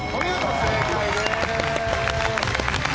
正解です。